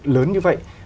lớn như vậy